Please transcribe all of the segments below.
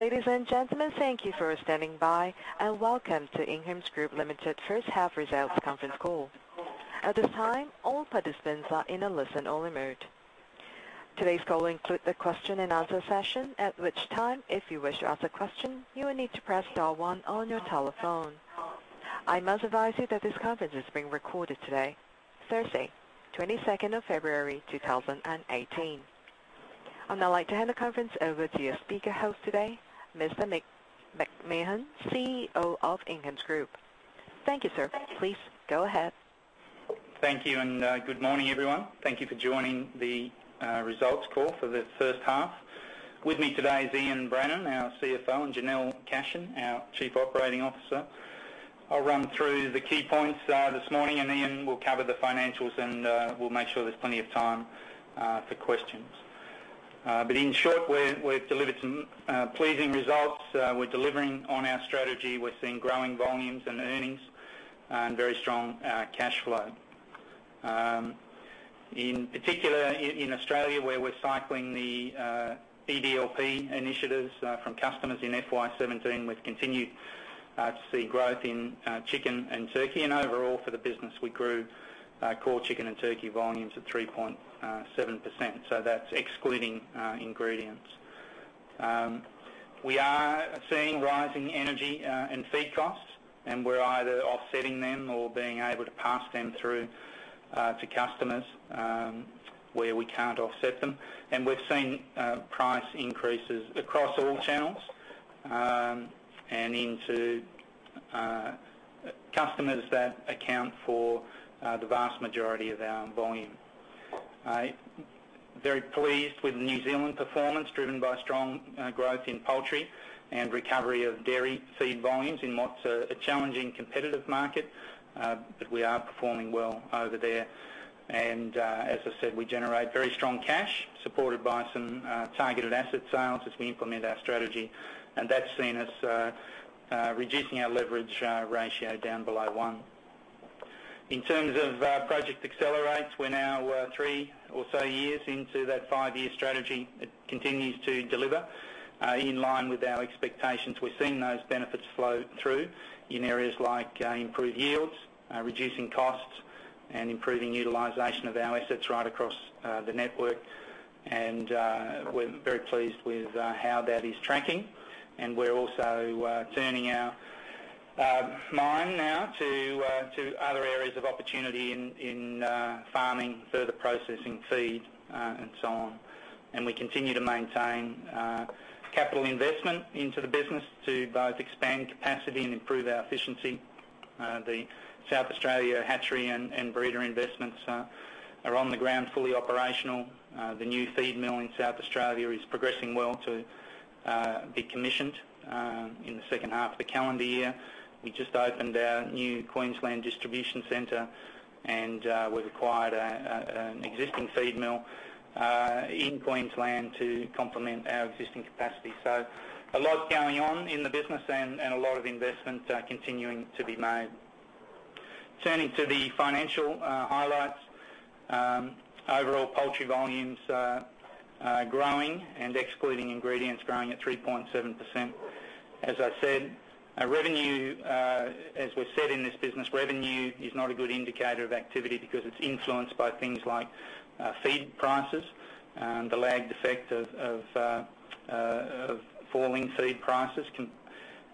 Ladies and gentlemen, thank you for standing by, and welcome to Inghams Group Limited first half results conference call. At this time, all participants are in a listen-only mode. Today's call will include the question and answer session, at which time, if you wish to ask a question, you will need to press star one on your telephone. I must advise you that this conference is being recorded today, Thursday, 22nd of February, 2018. I'd now like to hand the conference over to your speaker host today, Mr. McMahon, CEO of Inghams Group. Thank you, sir. Please go ahead. Thank you. Good morning, everyone. Thank you for joining the results call for the first half. With me today is Ian Brannan, our CFO, and Janelle Cashin, our Chief Operating Officer. I'll run through the key points this morning, and Ian will cover the financials, and we'll make sure there's plenty of time for questions. In short, we've delivered some pleasing results. We're delivering on our strategy. We're seeing growing volumes and earnings and very strong cash flow. In particular, in Australia, where we're cycling the EDLP initiatives from customers in FY 2017, we've continued to see growth in chicken and turkey, and overall for the business, we grew core chicken and turkey volumes at 3.7%, so that's excluding ingredients. We are seeing rising energy and feed costs, and we're either offsetting them or being able to pass them through to customers where we can't offset them. We've seen price increases across all channels and into customers that account for the vast majority of our volume. Very pleased with the New Zealand performance, driven by strong growth in poultry and recovery of dairy feed volumes in what's a challenging competitive market. We are performing well over there. As I said, we generate very strong cash, supported by some targeted asset sales as we implement our strategy, and that's seen us reducing our leverage ratio down below one. In terms of Project Accelerate, we're now three or so years into that five-year strategy. It continues to deliver in line with our expectations. We're seeing those benefits flow through in areas like improved yields, reducing costs, and improving utilization of our assets right across the network. We're very pleased with how that is tracking, and we're also turning our mind now to other areas of opportunity in farming, Further Processing feed, and so on. We continue to maintain capital investment into the business to both expand capacity and improve our efficiency. The South Australia hatchery and breeder investments are on the ground, fully operational. The new feed mill in South Australia is progressing well to be commissioned in the second half of the calendar year. We just opened our new Queensland Distribution Centre, and we've acquired an existing feed mill in Queensland to complement our existing capacity. A lot going on in the business and a lot of investments continuing to be made. Turning to the financial highlights. Overall poultry volumes are growing and excluding ingredients growing at 3.7%. As we've said in this business, revenue is not a good indicator of activity because it's influenced by things like feed prices, the lagged effect of falling feed prices,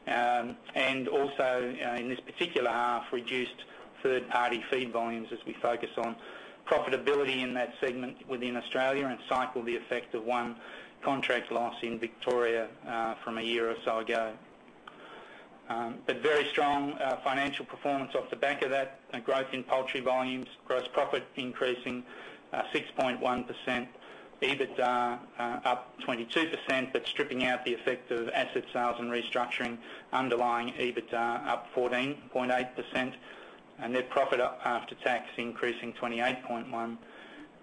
and also in this particular half, reduced third-party feed volumes as we focus on profitability in that segment within Australia and cycle the effect of one contract loss in Victoria from a year or so ago. Very strong financial performance off the back of that growth in poultry volumes. Gross profit increasing 6.1%, EBITDA up 22%. Stripping out the effect of asset sales and restructuring, underlying EBITDA up 14.8%, and net profit after tax increasing 28.1%,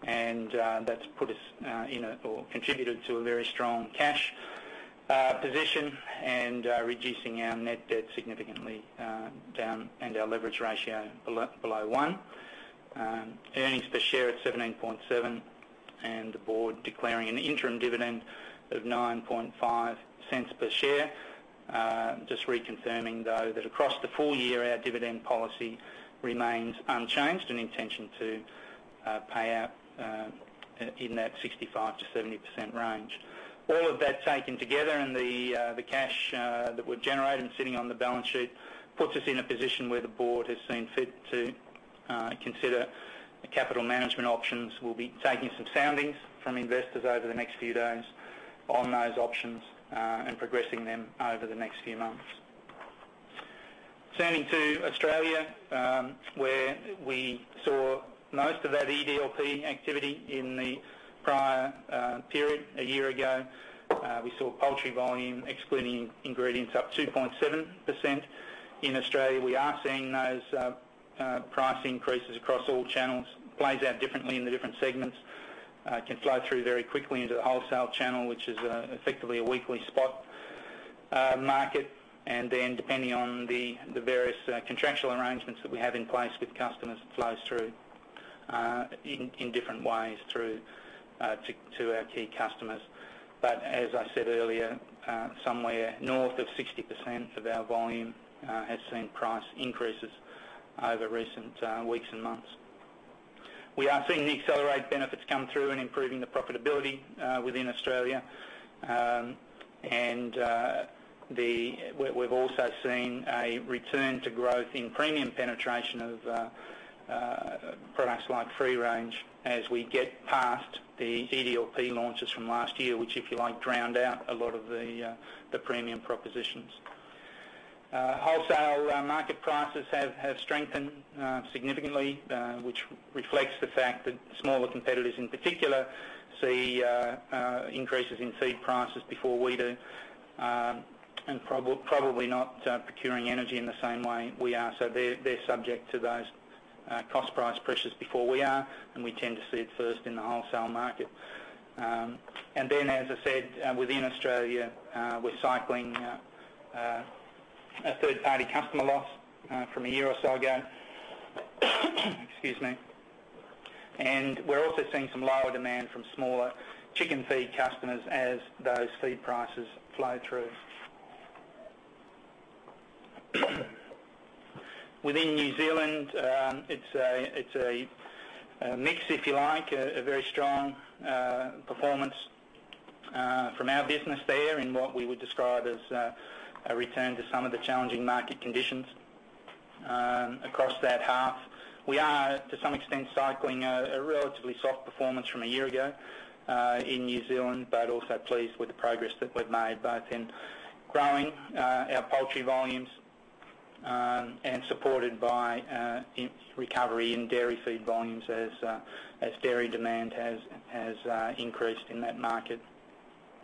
and that's put us in or contributed to a very strong cash position and reducing our net debt significantly down and our leverage ratio below 1. Earnings per share at 0.177. The board declaring an interim dividend of 0.095 per share. Just reconfirming, though, that across the full year, our dividend policy remains unchanged, an intention to pay out in that 65%-70% range. All of that taken together and the cash that we've generated and sitting on the balance sheet puts us in a position where the board has seen fit to consider capital management options. We'll be taking some soundings from investors over the next few days on those options and progressing them over the next few months. Turning to Australia, where we saw most of that EDLP activity in the prior period a year ago. We saw poultry volume, excluding ingredients, up 2.7% in Australia. We are seeing those price increases across all channels. Plays out differently in the different segments. Flow through very quickly into the wholesale channel, which is effectively a weekly spot market, and then depending on the various contractual arrangements that we have in place with customers, it flows through. In different ways to our key customers. As I said earlier, somewhere north of 60% of our volume has seen price increases over recent weeks and months. We are seeing the Accelerate benefits come through in improving the profitability within Australia. We've also seen a return to growth in premium penetration of products like free-range, as we get past the EDLP launches from last year, which, if you like, drowned out a lot of the premium propositions. Wholesale market prices have strengthened significantly, which reflects the fact that smaller competitors, in particular, see increases in feed prices before we do. Probably not procuring energy in the same way we are. They're subject to those cost price pressures before we are, and we tend to see it first in the wholesale market. As I said, within Australia, we're cycling a third-party customer loss from a year or so ago. Excuse me. We're also seeing some lower demand from smaller chicken feed customers as those feed prices flow through. Within New Zealand, it's a mix, if you like, a very strong performance from our business there in what we would describe as a return to some of the challenging market conditions across that half. We are, to some extent, cycling a relatively soft performance from a year ago in New Zealand, also pleased with the progress that we've made both in growing our poultry volumes and supported by recovery in dairy feed volumes as dairy demand has increased in that market.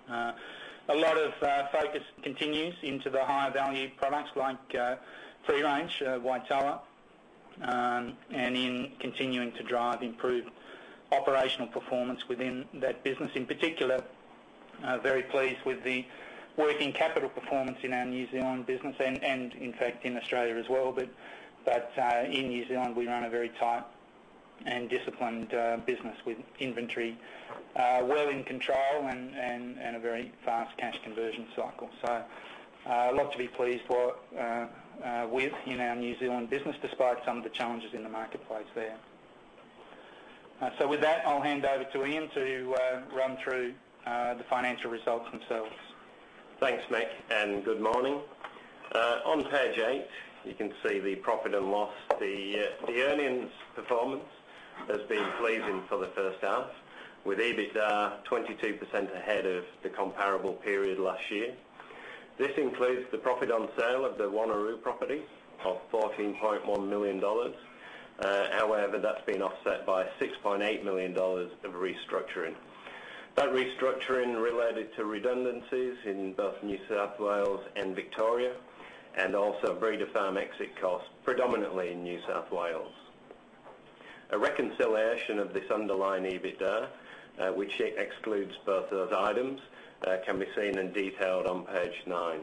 A lot of focus continues into the higher value products like free-range Waitoa and in continuing to drive improved operational performance within that business. In particular, very pleased with the working capital performance in our New Zealand business and in fact in Australia as well. In New Zealand, we run a very tight and disciplined business with inventory well in control and a very fast cash conversion cycle. A lot to be pleased with in our New Zealand business, despite some of the challenges in the marketplace there. With that, I'll hand over to Ian to run through the financial results themselves. Thanks, Mick, and good morning. On page eight, you can see the profit and loss. The earnings performance has been pleasing for the first half, with EBITDA 22% ahead of the comparable period last year. This includes the profit on sale of the Wanneroo property of 14.1 million dollars. That's been offset by 6.8 million dollars of restructuring. That restructuring related to redundancies in both New South Wales and Victoria, and also breeder farm exit costs, predominantly in New South Wales. A reconciliation of this underlying EBITDA, which excludes both those items, can be seen and detailed on page nine.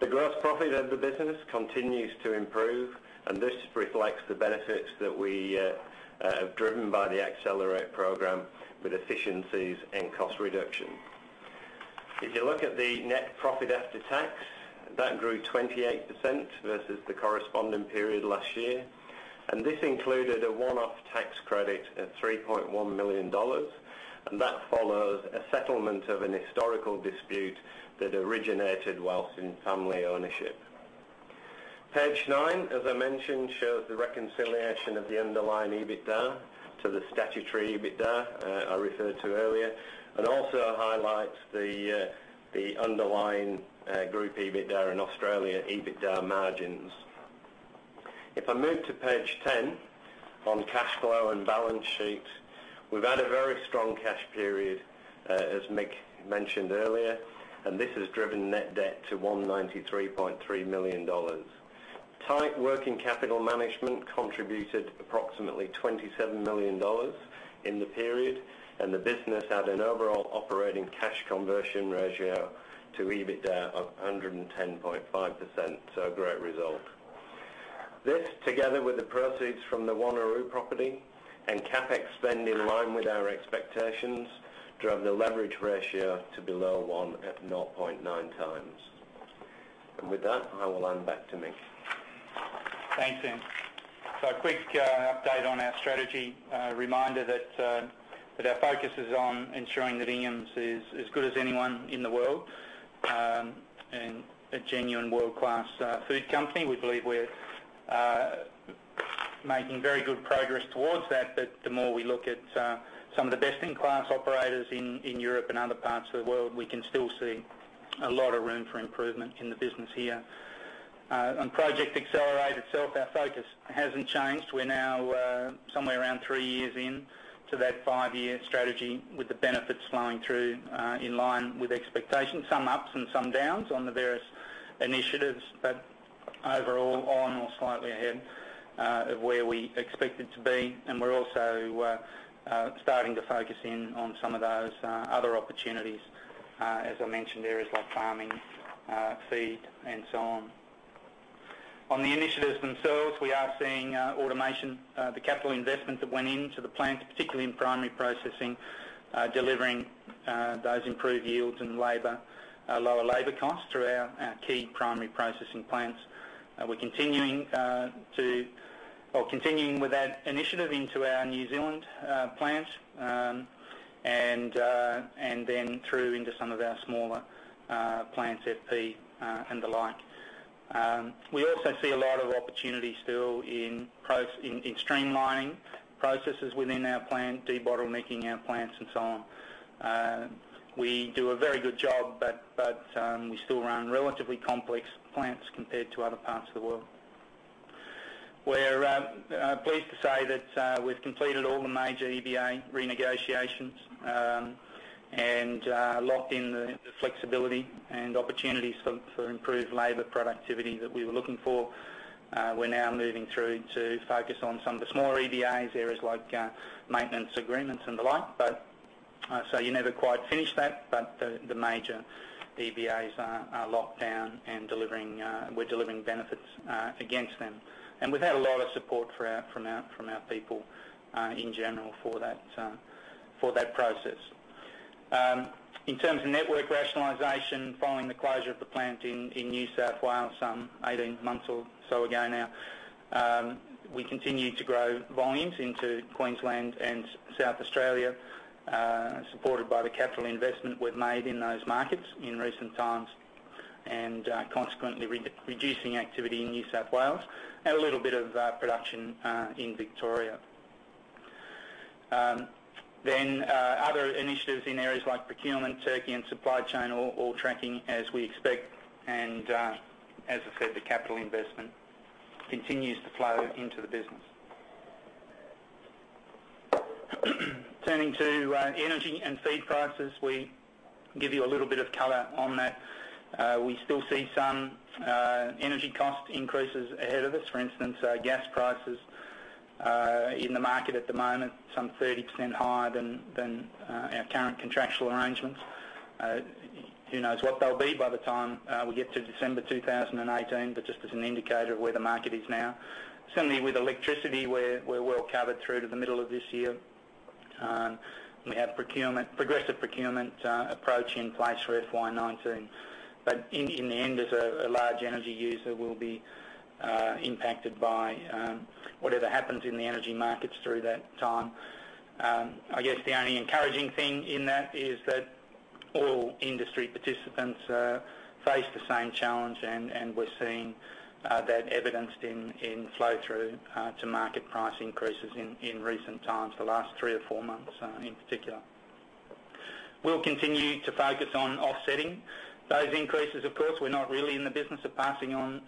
The gross profit of the business continues to improve. This reflects the benefits that we have driven by Project Accelerate with efficiencies and cost reduction. If you look at the net profit after tax, that grew 28% versus the corresponding period last year. This included a one-off tax credit of 3.1 million dollars. That follows a settlement of an historical dispute that originated whilst in family ownership. Page nine, as I mentioned, shows the reconciliation of the underlying EBITDA to the statutory EBITDA I referred to earlier, and also highlights the underlying group EBITDA in Australia, EBITDA margins. If I move to page 10 on cash flow and balance sheet, we've had a very strong cash period, as Mick mentioned earlier. This has driven net debt to 193.3 million dollars. Tight working capital management contributed approximately 27 million dollars in the period, and the business had an overall operating cash conversion ratio to EBITDA of 110.5%. A great result. This, together with the proceeds from the Wanneroo property and CapEx spend in line with our expectations, drove the leverage ratio to below 1 at 0.9x. With that, I will hand back to Mick. Thanks, Ian. A quick update on our strategy. A reminder that our focus is on ensuring that Inghams is as good as anyone in the world, and a genuine world-class food company. We believe we're making very good progress towards that, but the more we look at some of the best-in-class operators in Europe and other parts of the world, we can still see a lot of room for improvement in the business here. On Project Accelerate itself, our focus hasn't changed. We're now somewhere around three years into that five-year strategy, with the benefits flowing through in line with expectations. Some ups and some downs on the various initiatives, but overall on or slightly ahead of where we expected to be. We're also starting to focus in on some of those other opportunities, as I mentioned, areas like farming, feed, and so on. On the initiatives themselves, we are seeing automation, the capital investment that went into the plants, particularly in primary processing, delivering those improved yields and lower labor costs through our key primary processing plants. We're continuing with that initiative into our New Zealand plant, and then through into some of our smaller plants, FP and the like. We also see a lot of opportunity still in streamlining processes within our plant, debottlenecking our plants, and so on. We do a very good job, but we still run relatively complex plants compared to other parts of the world. We're pleased to say that we've completed all the major EBA renegotiations and locked in the flexibility and opportunities for improved labor productivity that we were looking for. We're now moving through to focus on some of the smaller EBAs, areas like maintenance agreements and the like. You never quite finish that, but the major EBAs are locked down, and we're delivering benefits against them. We've had a lot of support from our people in general for that process. In terms of network rationalization, following the closure of the plant in New South Wales some 18 months or so ago now, we continue to grow volumes into Queensland and South Australia, supported by the capital investment we've made in those markets in recent times, and consequently reducing activity in New South Wales and a little bit of production in Victoria. Other initiatives in areas like procurement, turkey, and supply chain, all tracking as we expect. As I said, the capital investment continues to flow into the business. Turning to energy and feed prices, we give you a little bit of color on that. We still see some energy cost increases ahead of us. For instance, gas prices in the market at the moment, some 30% higher than our current contractual arrangements. Who knows what they'll be by the time we get to December 2018, but just as an indicator of where the market is now. Similarly, with electricity, we're well covered through to the middle of this year. We have a progressive procurement approach in place for FY 2019, but in the end, as a large energy user, we'll be impacted by whatever happens in the energy markets through that time. I guess the only encouraging thing in that is that all industry participants face the same challenge, and we're seeing that evidenced in flow-through to market price increases in recent times, the last three or four months in particular. We'll continue to focus on offsetting those increases, of course. We're not really in the business of passing on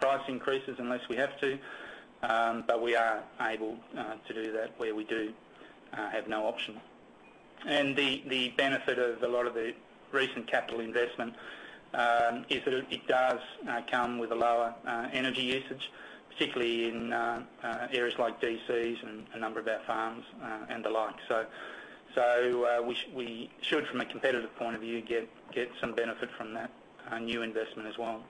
price increases unless we have to. We are able to do that where we do have no option. The benefit of a lot of the recent capital investment is that it does come with a lower energy usage, particularly in areas like DCs and a number of our farms and the like. We should, from a competitive point of view, get some benefit from that new investment as well.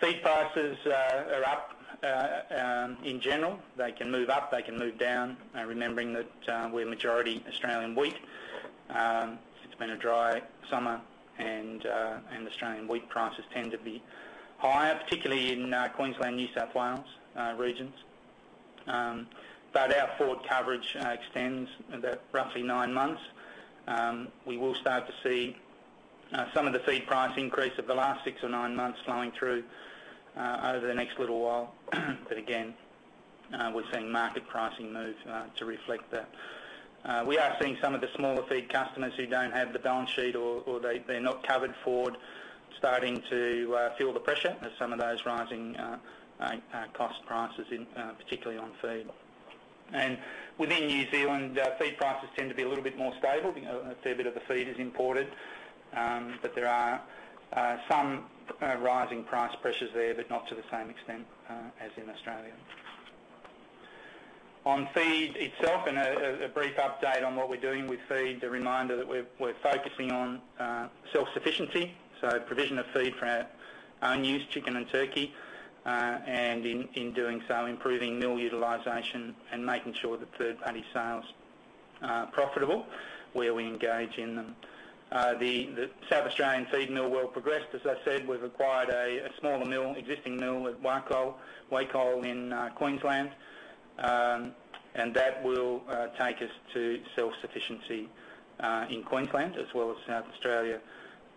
Feed prices are up in general. They can move up, they can move down, remembering that we're majority Australian wheat. It's been a dry summer, and Australian wheat prices tend to be higher, particularly in Queensland, New South Wales regions. Our forward coverage extends about roughly nine months. We will start to see some of the feed price increase of the last six or nine months flowing through over the next little while. Again, we're seeing market pricing move to reflect that. We are seeing some of the smaller feed customers who don't have the balance sheet, or they're not covered forward, starting to feel the pressure as some of those rising cost prices, particularly on feed. Within New Zealand, feed prices tend to be a little bit more stable. A fair bit of the feed is imported, but there are some rising price pressures there, but not to the same extent as in Australia. On feed itself and a brief update on what we're doing with feed, a reminder that we're focusing on self-sufficiency, so provision of feed for our own use, chicken and turkey, and in doing so, improving mill utilization and making sure that third-party sales are profitable where we engage in them. The South Australian feed mill well progressed. As I said, we've acquired a smaller mill, existing mill at Wacol in Queensland, and that will take us to self-sufficiency in Queensland as well as South Australia,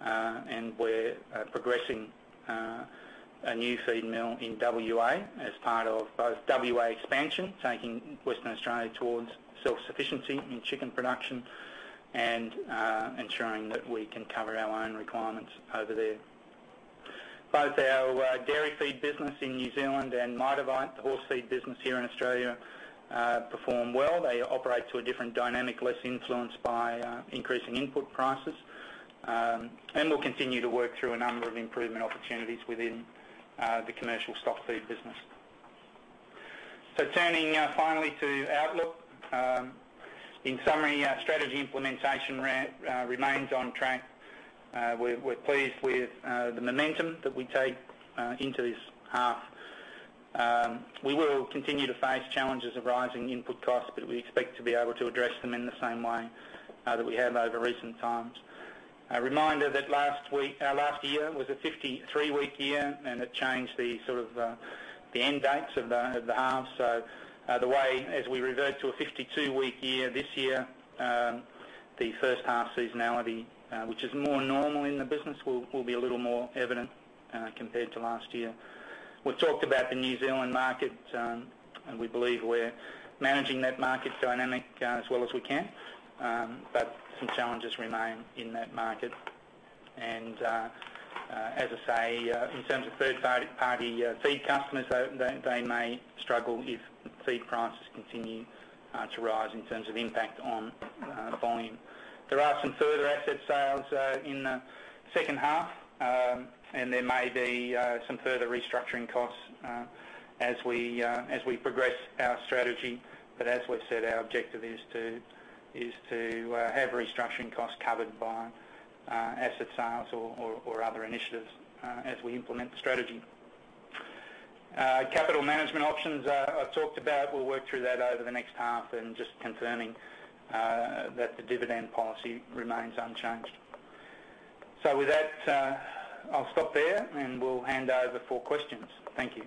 and we're progressing a new feed mill in WA as part of both WA expansion, taking Western Australia towards self-sufficiency in chicken production and ensuring that we can cover our own requirements over there. Both our dairy feed business in New Zealand and Mitavite, the horse feed business here in Australia, perform well. They operate to a different dynamic, less influenced by increasing input prices. We'll continue to work through a number of improvement opportunities within the commercial stock feed business. Turning finally to outlook. In summary, our strategy implementation remains on track. We're pleased with the momentum that we take into this half. We will continue to face challenges of rising input costs, but we expect to be able to address them in the same way that we have over recent times. A reminder that last year was a 53-week year, and it changed the end dates of the halves. As we revert to a 52-week year this year, the first half seasonality, which is more normal in the business, will be a little more evident compared to last year. We've talked about the New Zealand market. We believe we're managing that market dynamic as well as we can. Some challenges remain in that market. As I say, in terms of third-party feed customers, they may struggle if feed prices continue to rise in terms of impact on volume. There are some further asset sales in the second half. There may be some further restructuring costs as we progress our strategy. As we've said, our objective is to have restructuring costs covered by asset sales or other initiatives as we implement the strategy. Capital management options I've talked about. We'll work through that over the next half and just confirming that the dividend policy remains unchanged. With that, I'll stop there, and we'll hand over for questions. Thank you.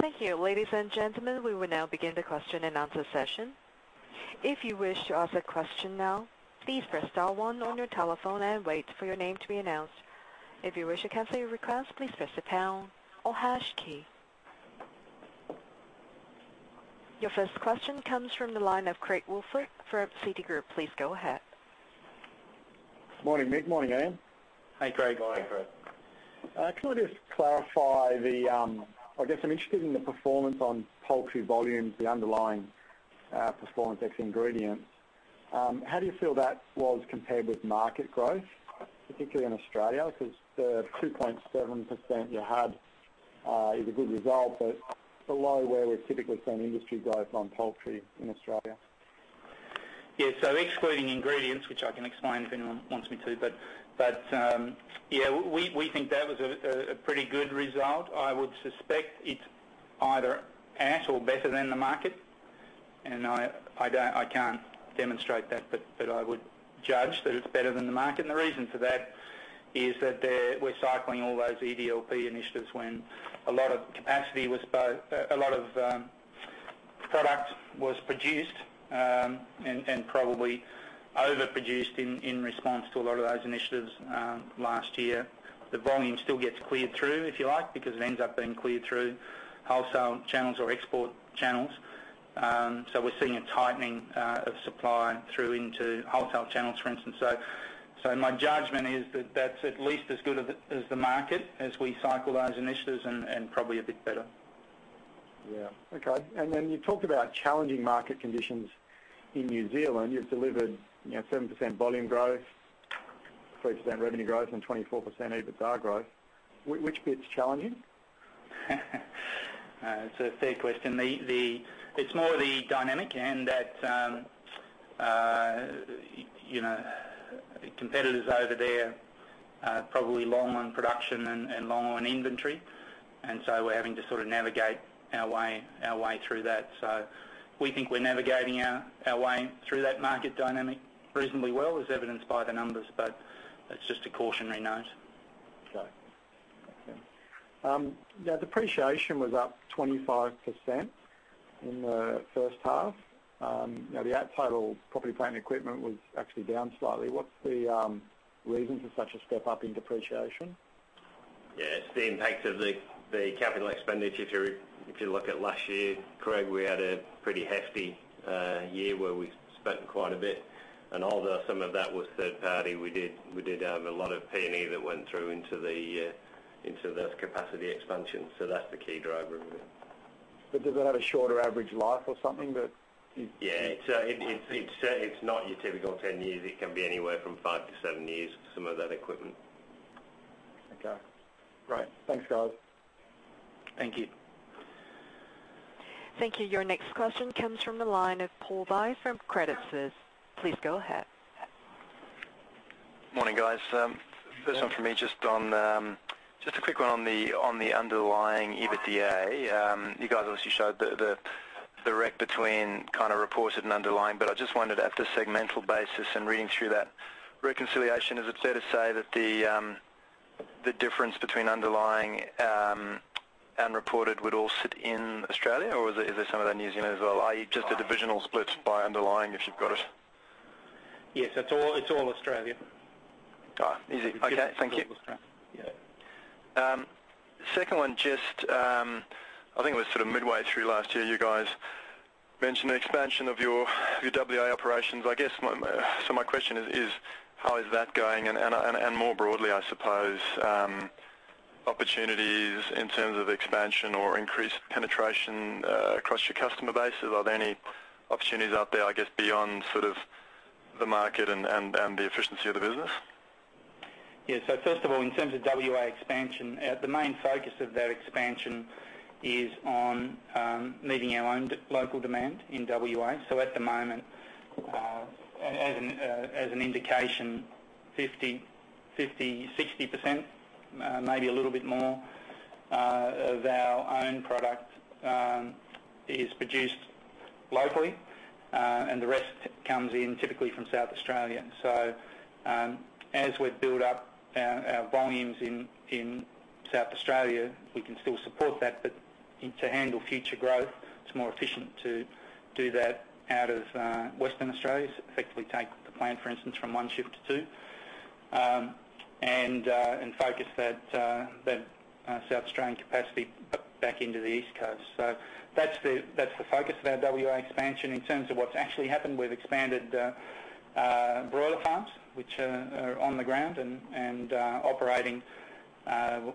Thank you. Ladies and gentlemen, we will now begin the question and answer session. If you wish to ask a question now, please press star one on your telephone and wait for your name to be announced. If you wish to cancel your request, please press the pound or hash key. Your first question comes from the line of Craig Woolford from Citigroup. Please go ahead. Morning, Mick. Morning, Ian. Hey, Craig. Morning, Craig. Can I just clarify the, I guess I'm interested in the performance on poultry volumes, the underlying performance ex ingredients. How do you feel that was compared with market growth, particularly in Australia? Because the 2.7% you had is a good result, but below where we've typically seen industry growth on poultry in Australia. Yeah. Excluding ingredients, which I can explain if anyone wants me to, yeah, we think that was a pretty good result. I would suspect it's either at or better than the market, I can't demonstrate that, I would judge that it's better than the market. The reason for that is that we're cycling all those EDLP initiatives when a lot of product was produced, and probably overproduced in response to a lot of those initiatives last year. The volume still gets cleared through, if you like, because it ends up being cleared through wholesale channels or export channels. We're seeing a tightening of supply through into wholesale channels, for instance. My judgment is that that's at least as good as the market as we cycle those initiatives and probably a bit better. Yeah. Okay. Then you talked about challenging market conditions in New Zealand. You've delivered 7% volume growth, 3% revenue growth and 24% EBITDA growth. Which bit's challenging? It's a fair question. It's more the dynamic and that competitors over there are probably long on production and long on inventory, and so we're having to sort of navigate our way through that. We think we're navigating our way through that market dynamic reasonably well, as evidenced by the numbers, but it's just a cautionary note. Okay. Thank you. Depreciation was up 25% in the first half. The add total property plant and equipment was actually down slightly. What's the reason for such a step-up in depreciation? It's the impact of the capital expenditure. If you look at last year, Craig, we had a pretty hefty year where we spent quite a bit. Although some of that was third party, we did have a lot of P&E that went through into those capacity expansions. That's the key driver of it. Does it have a shorter average life or something? Yeah. It's not your typical 10 years. It can be anywhere from five to seven years for some of that equipment. Okay. Great. Thanks, guys. Thank you. Thank you. Your next question comes from the line of Paul Vai from Credit Suisse. Please go ahead. Morning, guys. First one from me, just a quick one on the underlying EBITDA. You guys obviously showed the rec between kind of reported and underlying. I just wondered at the segmental basis and reading through that reconciliation, is it fair to say that the difference between underlying and reported would all sit in Australia, or is there some of that New Zealand as well? I.e. just the divisional splits by underlying, if you've got it. Yes. It's all Australia. Got it. Easy. Okay. Thank you. Yeah. Second one, just, I think it was sort of midway through last year, you guys mentioned the expansion of your WA operations. My question is how is that going and more broadly, I suppose, opportunities in terms of expansion or increased penetration across your customer base. Are there any opportunities out there, I guess, beyond sort of the market and the efficiency of the business? First of all, in terms of WA expansion, the main focus of that expansion is on meeting our own local demand in WA. At the moment, as an indication, 50%-60%, maybe a little bit more of our own product is produced locally, and the rest comes in typically from South Australia. As we build up our volumes in South Australia, we can still support that, but to handle future growth, it's more efficient to do that out of Western Australia, effectively take the plant, for instance, from one shift to two, and focus that South Australian capacity back into the East Coast. That's the focus of our WA expansion. In terms of what's actually happened, we've expanded broiler farms, which are on the ground and operating.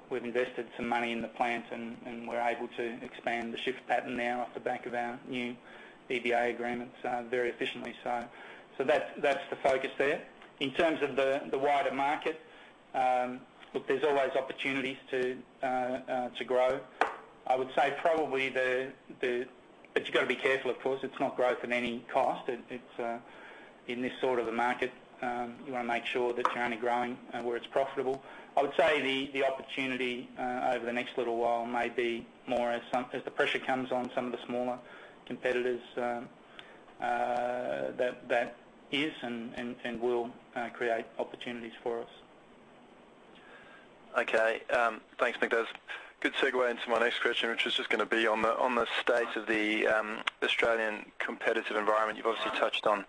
We've invested some money in the plant, and we're able to expand the shift pattern now off the back of our new EBA agreements very efficiently. That's the focus there. In terms of the wider market, look, there's always opportunities to grow. You've got to be careful, of course, it's not growth at any cost. In this sort of a market, you want to make sure that you're only growing where it's profitable. I would say the opportunity over the next little while may be more as the pressure comes on some of the smaller competitors, that is and will create opportunities for us. Thanks, Mick. That's a good segue into my next question, which is just going to be on the state of the Australian competitive environment. You've obviously touched on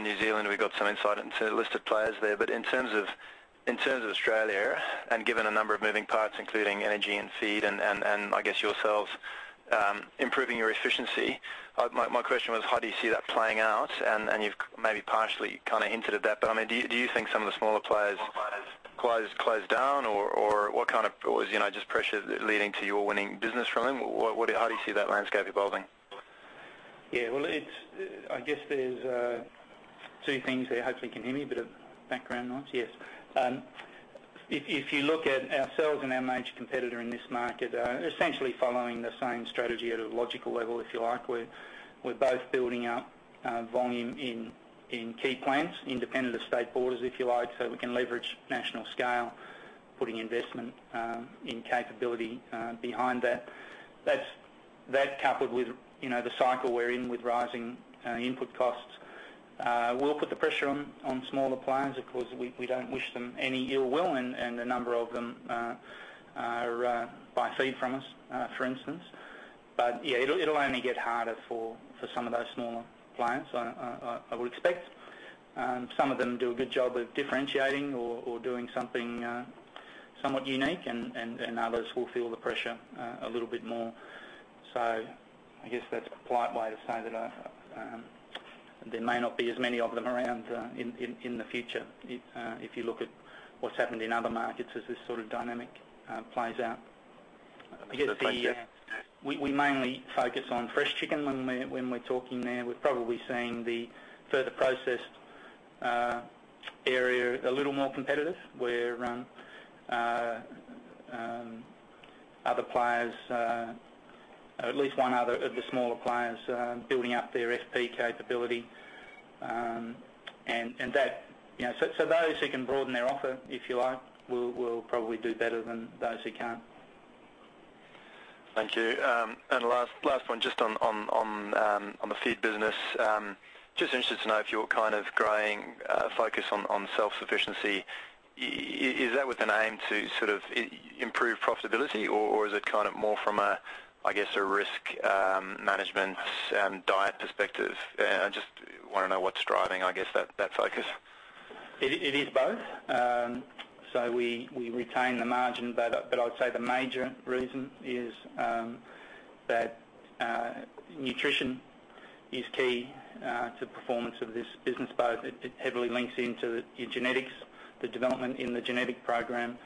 New Zealand. We got some insight into listed players there. In terms of Australia, and given a number of moving parts, including energy and feed and I guess yourselves improving your efficiency, my question was, how do you see that playing out? You've maybe partially hinted at that, but do you think some of the smaller players close down, or what kind of, just pressure leading to you winning business from them? How do you see that landscape evolving? I guess there's two things there. Hopefully you can hear me, a bit of background noise. If you look at ourselves and our major competitor in this market, essentially following the same strategy at a logical level, if you like. We're both building up volume in key plants independent of state borders, if you like, so we can leverage national scale, putting investment in capability behind that. That coupled with the cycle we're in with rising input costs, will put the pressure on smaller plants. Of course, we don't wish them any ill will, and a number of them buy feed from us, for instance. It'll only get harder for some of those smaller plants, I would expect. Some of them do a good job of differentiating or doing something somewhat unique, and others will feel the pressure a little bit more. I guess that's a polite way to say that there may not be as many of them around in the future, if you look at what's happened in other markets as this sort of dynamic plays out. Thanks, Mick. We mainly focus on fresh chicken when we're talking there. We've probably seen the Further Processing area a little more competitive where other players, at least one other of the smaller players, building up their FP capability. Those who can broaden their offer, if you like, will probably do better than those who can't. Thank you. Last one just on the feed business. Just interested to know if you're growing a focus on self-sufficiency. Is that with an aim to improve profitability, or is it more from a risk management diet perspective? I just want to know what's driving that focus. It is both. We retain the margin, but I'd say the major reason is that nutrition is key to performance of this business. It heavily links into your genetics, the development in the genetic program.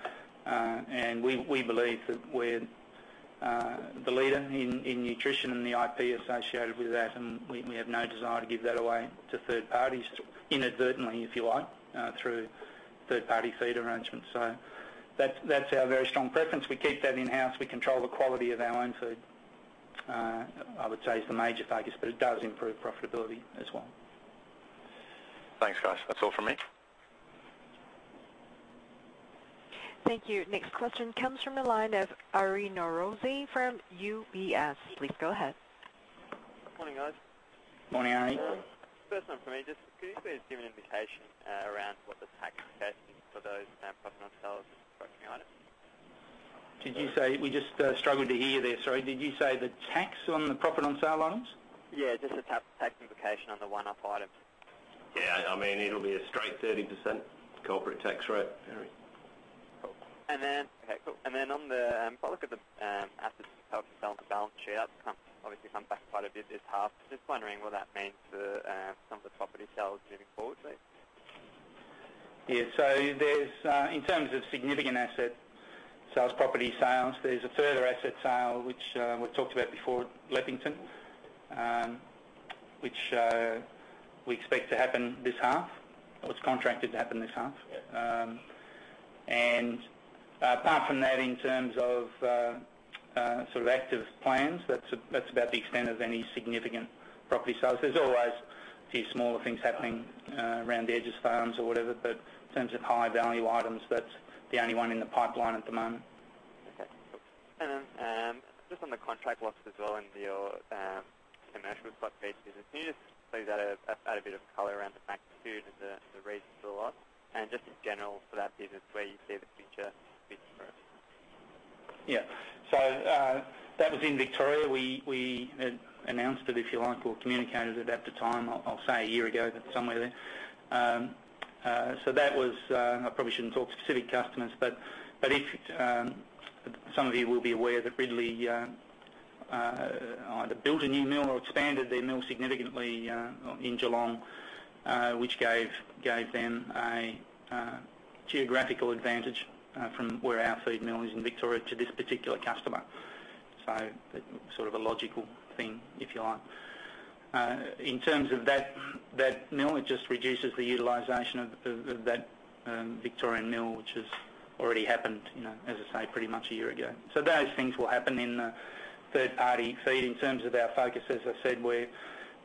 We believe that we're the leader in nutrition and the IP associated with that, and we have no desire to give that away to third parties inadvertently, if you like, through third-party feed arrangements. That's our very strong preference. We keep that in-house. We control the quality of our own food, I would say is the major focus, but it does improve profitability as well. Thanks, guys. That's all from me. Thank you. Next question comes from the line of Ari Neurosi from UBS. Please go ahead. Morning, guys. Morning, Ari. First one for me, could you please give me an indication around what the tax effect is for those profit on sale items? We just struggled to hear there, sorry. Did you say the tax on the profit on sale items? Yeah, just the tax implication on the one-off item. Yeah. It will be a straight 30% corporate tax rate, Ari. Cool. On the public assets profit on sale on the balance sheet, that is obviously come back quite a bit this half. I am just wondering what that means for some of the property sales moving forward, please. Yeah. In terms of significant asset sales, property sales, there is a further asset sale, which we have talked about before Leppington. Which we expect to happen this half. Well, it is contracted to happen this half. Yeah. Apart from that, in terms of active plans, that is about the extent of any significant property sales. There is always a few smaller things happening around the edges, farms or whatever, but in terms of high-value items, that is the only one in the pipeline at the moment. Okay. Just on the contract loss as well in your commercial feed business, can you just add a bit of color around the magnitude and the reasons for loss and just in general for that business where you see the future heading for it? Yeah. That was in Victoria. We announced it, if you like, or communicated it at the time, I'll say a year ago, somewhere then. I probably shouldn't talk specific customers, but some of you will be aware that Ridley either built a new mill or expanded their mill significantly in Geelong which gave them a geographical advantage from where our feed mill is in Victoria to this particular customer. Sort of a logical thing, if you like. In terms of that mill, it just reduces the utilization of that Victorian mill, which has already happened, as I say, pretty much a year ago. Those things will happen in third-party feed. In terms of our focus, as I said,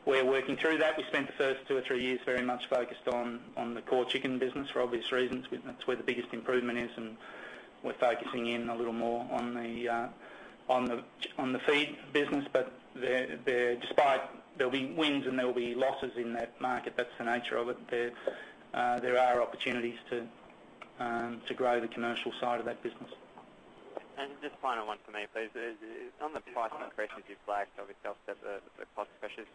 we're working through that. We spent the first two or three years very much focused on the core chicken business for obvious reasons. That's where the biggest improvement is. We're focusing in a little more on the feed business. There'll be wins and there will be losses in that market. That's the nature of it. There are opportunities to grow the commercial side of that business. Just final one for me, please. On the price increases you flagged, obviously offset the cost pressures,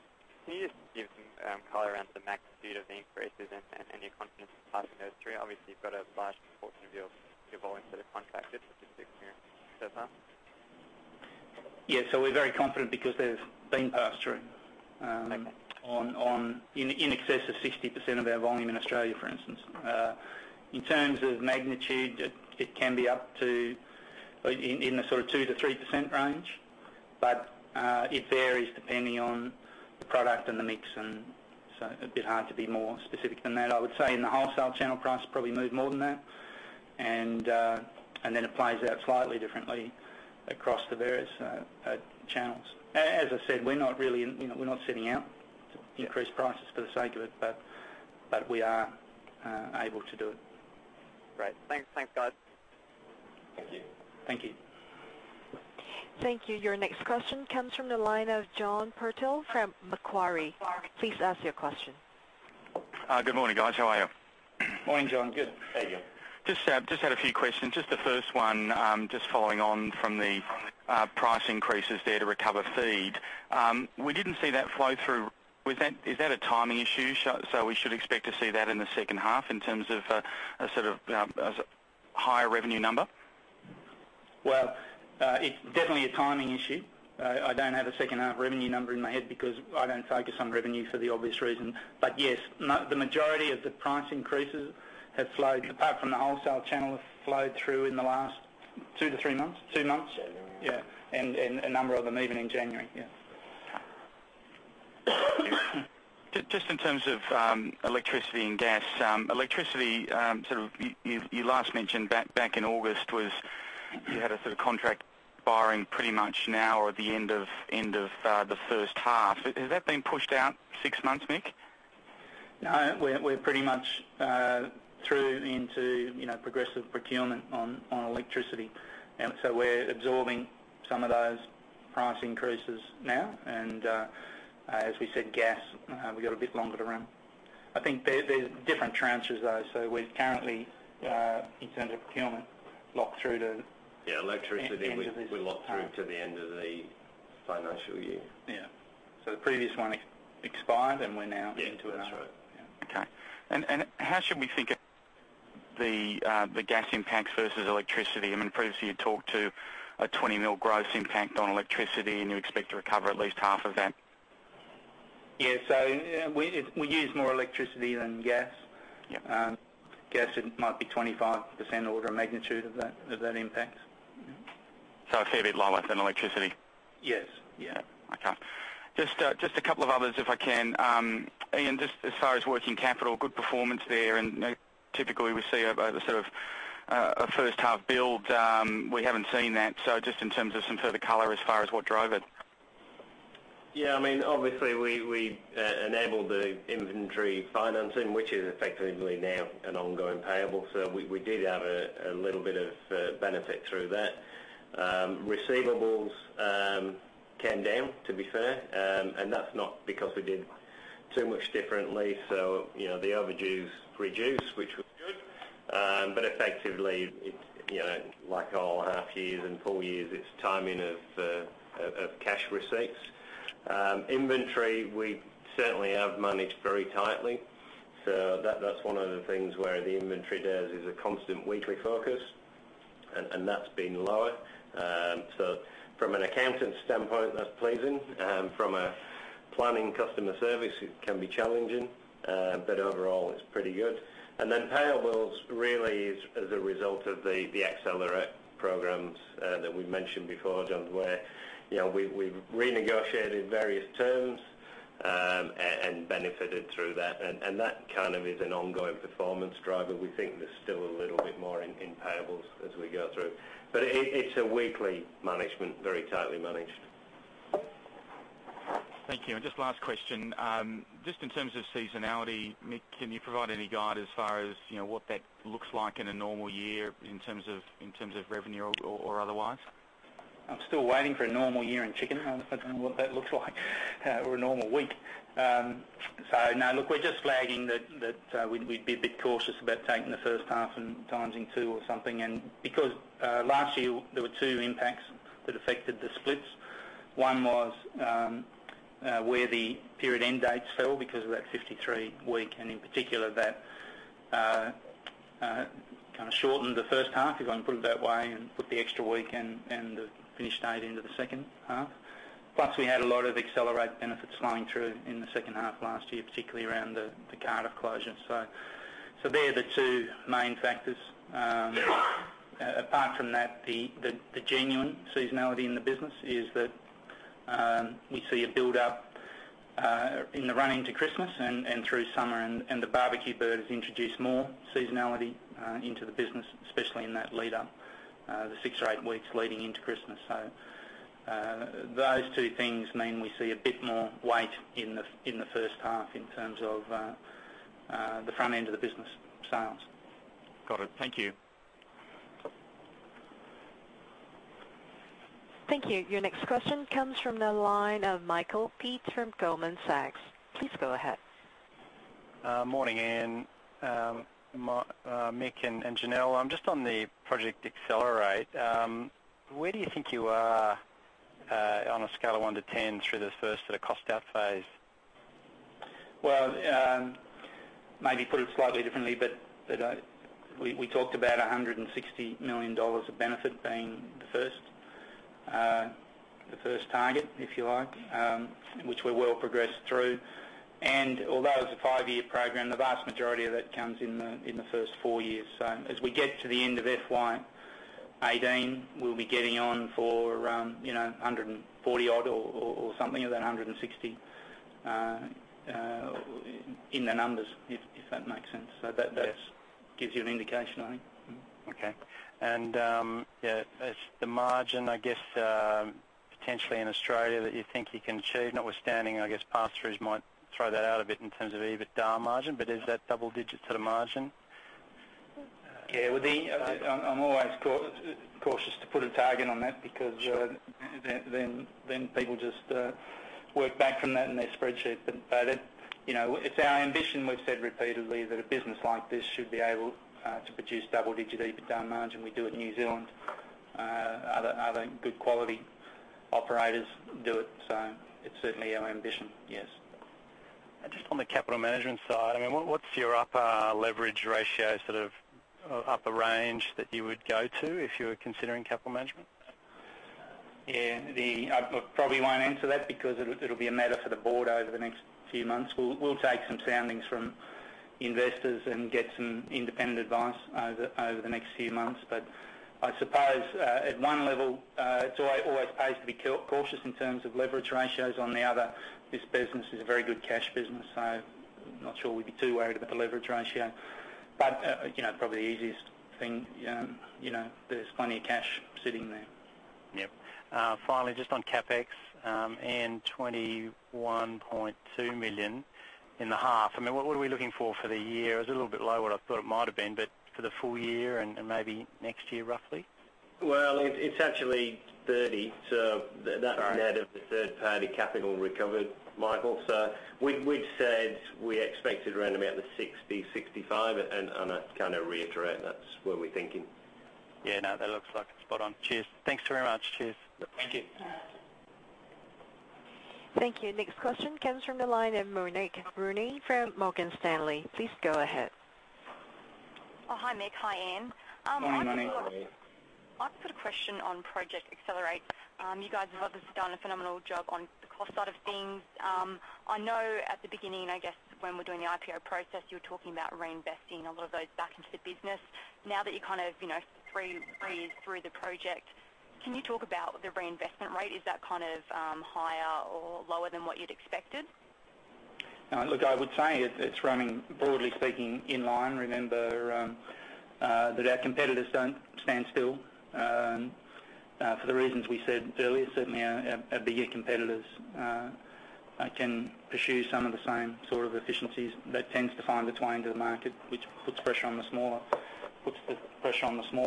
can you just give some color around the magnitude of the increases and your confidence in passing those through? You've got a large proportion of your volume that are contracted, so should be experienced so far. Yeah, we're very confident because they've been passed. Okay on in excess of 60% of our volume in Australia, for instance. In terms of magnitude, it can be up to in the sort of 2%-3% range. It varies depending on the product and the mix. A bit hard to be more specific than that. I would say in the wholesale channel, price probably moved more than that. It plays out slightly differently across the various channels. As I said, we're not setting out to increase prices for the sake of it. We are able to do it. Great. Thanks, guys. Thank you. Thank you. Thank you. Your next question comes from the line of John Purtell from Macquarie. Please ask your question. Good morning, guys. How are you? Morning, John. Good. Hey, John. Just had a few questions. Just the first one, just following on from the price increases there to recover feed. We didn't see that flow through. Is that a timing issue, so we should expect to see that in the second half in terms of a higher revenue number? Well, it's definitely a timing issue. I don't have a second half revenue number in my head because I don't focus on revenue for the obvious reason. Yes, the majority of the price increases, apart from the wholesale channel, have flowed through in the last 2 to 3 months. 2 months? 2 months. Yeah, a number of them even in January. Yeah. Just in terms of electricity and gas. Electricity, you last mentioned back in August was you had a sort of contract expiring pretty much now or at the end of the first half. Has that been pushed out six months, Mick? No. We're pretty much through into progressive procurement on electricity. We're absorbing some of those price increases now. As we said, gas, we've got a bit longer to run. I think there's different tranches, though. We're currently, in terms of procurement, locked through to. Yeah, electricity. End of this. We're locked through to the end of the financial year. Yeah. The previous one expired, and we're now into another. Yeah, that's right. Yeah. Okay. How should we think of the gas impacts versus electricity? Previously, you talked to an 20 million gross impact on electricity, and you expect to recover at least half of that. Yeah. We use more electricity than gas. Yeah. Gas, it might be 25% order of magnitude of that impact. Yeah. A fair bit lower than electricity. Yes. Yeah. Okay. Just a couple of others, if I can. Ian, just as far as working capital, good performance there. Typically, we see a first half build. We haven't seen that, just in terms of some further color as far as what drove it. Yeah. Obviously, we enabled the inventory financing, which is effectively now an ongoing payable. We did have a little bit of benefit through that. Receivables came down, to be fair. That's not because we did too much differently. The overdues reduced, which was good. Effectively, like all half years and full years, it's timing of cash receipts. Inventory, we certainly have managed very tightly. That's one of the things where the inventory days is a constant weekly focus, and that's been lower. From an accounting standpoint, that's pleasing. From a planning customer service, it can be challenging, but overall, it's pretty good. Payables really is as a result of the Project Accelerate programs that we've mentioned before, John, where we've renegotiated various terms Benefited through that. That kind of is an ongoing performance driver. We think there's still a little bit more in payables as we go through. It's a weekly management, very tightly managed. Thank you. Just last question. Just in terms of seasonality, Mick, can you provide any guide as far as what that looks like in a normal year in terms of revenue or otherwise? I'm still waiting for a normal year in chicken. I don't know what that looks like, or a normal week. No, look, we're just flagging that we'd be a bit cautious about taking the first half and timesing two or something. Because last year, there were two impacts that affected the splits. One was where the period end dates fell because of that 53-week, and in particular, that kind of shortened the first half, if I can put it that way, and put the extra week and the finish date into the second half. Plus, we had a lot of Project Accelerate benefits flowing through in the second half last year, particularly around the Cardiff closure. They're the two main factors. Apart from that, the genuine seasonality in the business is that we see a buildup in the run into Christmas and through summer, and the barbecue bird has introduced more seasonality into the business, especially in that lead up, the six or eight weeks leading into Christmas. Those two things mean we see a bit more weight in the first half in terms of the front end of the business sales. Got it. Thank you. Thank you. Your next question comes from the line of Michael Peet from Goldman Sachs. Please go ahead. Morning, Ian, Mick, and Janelle. Just on the Project Accelerate, where do you think you are on a scale of one to 10 through the first sort of cost out phase? Maybe put it slightly differently, we talked about 160 million dollars of benefit being the first target, if you like, which we're well progressed through. Although it's a five-year program, the vast majority of that comes in the first four years. As we get to the end of FY 2018, we'll be getting on for around 140 odd or something of that 160 in the numbers, if that makes sense. That gives you an indication, I think. Okay. As the margin, I guess, potentially in Australia that you think you can achieve, notwithstanding, I guess, pass-throughs might throw that out a bit in terms of EBITDA margin, but is that double digits at a margin? Yeah. I'm always cautious to put a target on that because then people just work back from that in their spreadsheet. It's our ambition, we've said repeatedly, that a business like this should be able to produce double-digit EBITDA margin. We do it in New Zealand. Other good quality operators do it. It's certainly our ambition, yes. Just on the capital management side, what's your upper leverage ratio, sort of upper range that you would go to if you were considering capital management? Yeah. I probably won't answer that because it'll be a matter for the board over the next few months. We'll take some soundings from investors and get some independent advice over the next few months. I suppose, at one level, it always pays to be cautious in terms of leverage ratios. On the other, this business is a very good cash business, so I'm not sure we'd be too worried about the leverage ratio. Probably the easiest thing, there's plenty of cash sitting there. Yep. Finally, just on CapEx and 21.2 million in the half, what are we looking for the year? It was a little bit lower than I thought it might have been, for the full year and maybe next year, roughly? Well, it's actually 30. Sorry net of the third-party capital recovered, Michael. We'd said we expected around about the 60-65, and I kind of reiterate that's where we're thinking. Yeah, no, that looks like it's spot on. Cheers. Thanks very much. Cheers. Thank you. Thank you. Next question comes from the line of Monique Rooney from Morgan Stanley. Please go ahead. Hi, Mick. Hi, Ian. Morning, Monique. I've got a question on Project Accelerate. You guys have obviously done a phenomenal job on the cost side of things. I know at the beginning, I guess, when we're doing the IPO process, you were talking about reinvesting a lot of those back into the business. Now that you're kind of three years through the project, can you talk about the reinvestment rate? Is that kind of higher or lower than what you'd expected? Look, I would say it's running, broadly speaking, in line. Remember that our competitors don't stand still. For the reasons we said earlier, certainly our bigger competitors can pursue some of the same sort of efficiencies that tends to find its way into the market, which puts pressure on the smaller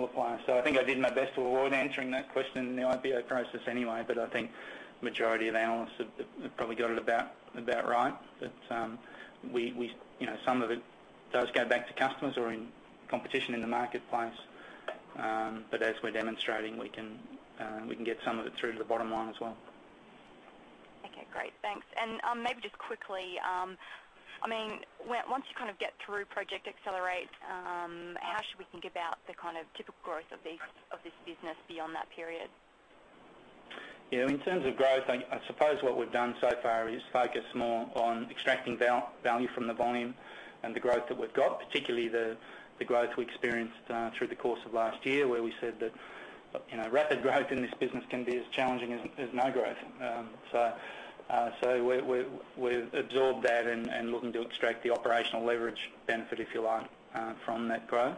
player. I think I did my best to avoid answering that question in the IPO process anyway, but I think majority of analysts have probably got it about right. That some of it does go back to customers or in competition in the marketplace. As we're demonstrating, we can get some of it through to the bottom line as well. Okay, great. Thanks. Maybe just quickly, once you kind of get through Project Accelerate, how should we think about the kind of typical growth of this business beyond that period? In terms of growth, I suppose what we've done so far is focus more on extracting value from the volume and the growth that we've got, particularly the growth we experienced through the course of last year, where we said that Rapid growth in this business can be as challenging as no growth. We've absorbed that and looking to extract the operational leverage benefit, if you like, from that growth.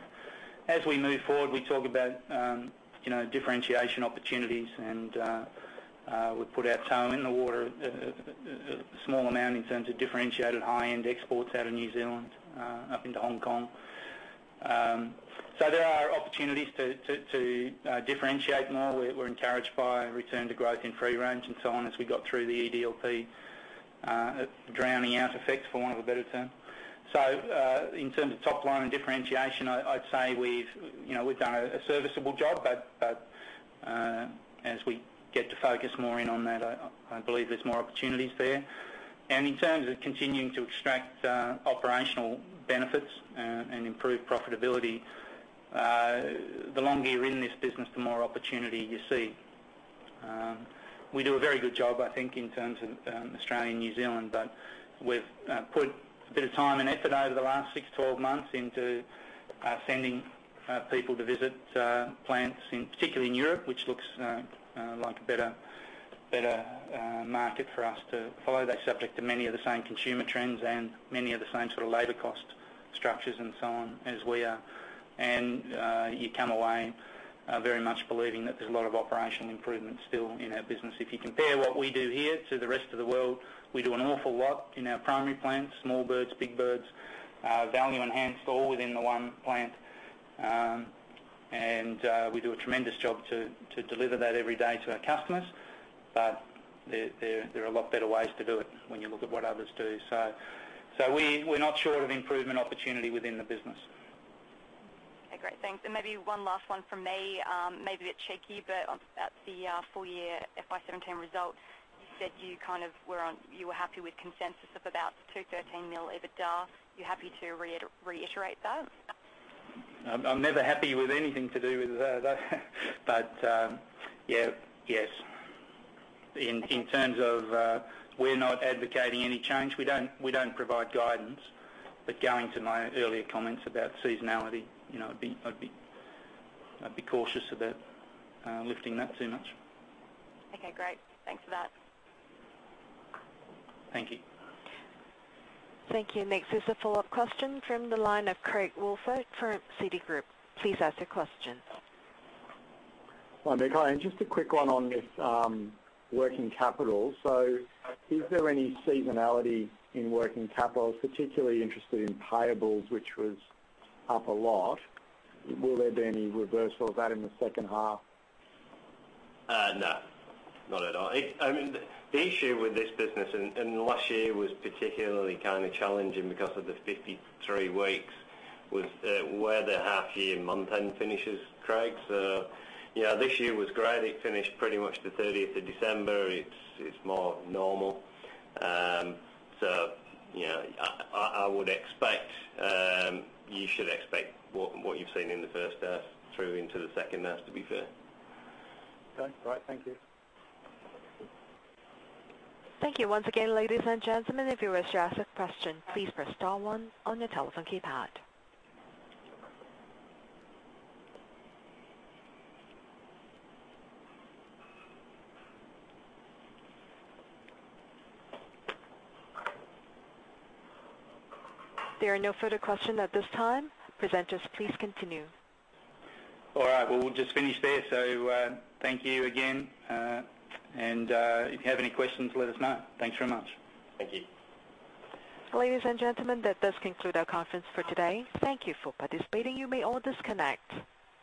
As we move forward, we talk about differentiation opportunities, and we've put our toe in the water a small amount in terms of differentiated high-end exports out of New Zealand up into Hong Kong. There are opportunities to differentiate more. We're encouraged by a return to growth in free-range and so on as we got through the EDLP drowning out effect, for want of a better term. In terms of top line and differentiation, I'd say we've done a serviceable job, but as we get to focus more in on that, I believe there's more opportunities there. In terms of continuing to extract operational benefits and improve profitability, the longer you're in this business, the more opportunity you see. We do a very good job, I think, in terms of Australia and New Zealand, but we've put a bit of time and effort over the last 6, 12 months into sending people to visit plants, particularly in Europe, which looks like a better market for us to follow. They're subject to many of the same consumer trends and many of the same sort of labor cost structures and so on as we are. You come away very much believing that there's a lot of operational improvement still in our business. If you compare what we do here to the rest of the world, we do an awful lot in our primary plants, small birds, big birds, value enhanced, all within the one plant. We do a tremendous job to deliver that every day to our customers. There are a lot better ways to do it when you look at what others do. We're not short of improvement opportunity within the business. Okay, great. Thanks. Maybe one last one from me, maybe a bit cheeky, but about the full year FY 2017 results. You said you were happy with consensus of about 213 million EBITDA. You happy to reiterate that? I'm never happy with anything to do with that, but yes. We're not advocating any change. We don't provide guidance, but going to my earlier comments about seasonality, I'd be cautious about lifting that too much. Okay, great. Thanks for that. Thank you. Thank you. Next is a follow-up question from the line of Craig Woolford from Citi Group. Please ask your question. Hi, Mick. Hi, just a quick one on this working capital. Is there any seasonality in working capital? Particularly interested in payables, which was up a lot. Will there be any reversal of that in the second half? No, not at all. The issue with this business, and last year was particularly challenging because of the 53 weeks, was where the half year month-end finishes, Craig. This year was great. It finished pretty much the 30th of December. It's more normal. I would expect you should expect what you've seen in the first half through into the second half, to be fair. Okay, great. Thank you. Thank you once again, ladies and gentlemen. If you wish to ask a question, please press star one on your telephone keypad. There are no further questions at this time. Presenters, please continue. All right. Well, we'll just finish there. Thank you again, and if you have any questions, let us know. Thanks very much. Thank you. Ladies and gentlemen, that does conclude our conference for today. Thank you for participating. You may all disconnect.